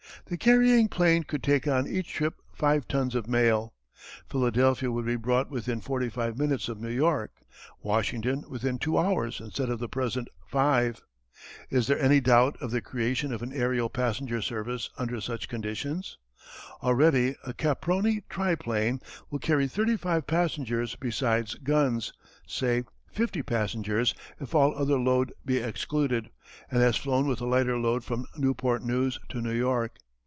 The carrying plane could take on each trip five tons of mail. Philadelphia would be brought within forty five minutes of New York; Washington within two hours instead of the present five. Is there any doubt of the creation of an aërial passenger service under such conditions? Already a Caproni triplane will carry thirty five passengers beside guns say, fifty passengers if all other load be excluded, and has flown with a lighter load from Newport News to New York.